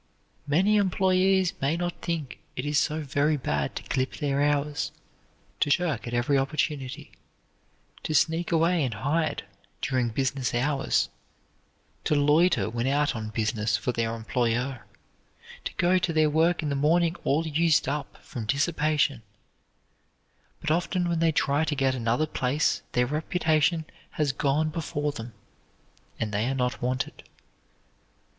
Many employees may not think it is so very bad to clip their hours, to shirk at every opportunity, to sneak away and hide during business hours, to loiter when out on business for their employer, to go to their work in the morning all used up from dissipation; but often when they try to get another place their reputation has gone before them, and they are not wanted.